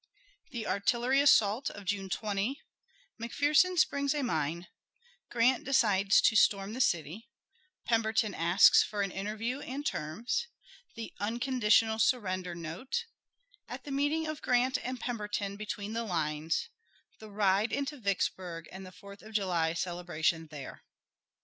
The artillery assault of June 20 McPherson springs a mine Grant decides to storm the city Pemberton asks for an interview and terms The "unconditional surrender" note At the meeting of Grant and Pemberton between the lines The ride into Vicksburg and the Fourth of July celebration there.